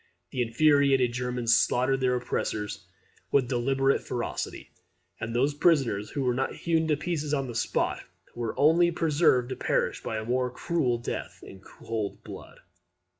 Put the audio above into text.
The infuriated Germans slaughtered their oppressors with deliberate ferocity; and those prisoners who were not hewn to pieces on the spot, were only preserved to perish by a more cruel death in cold blood.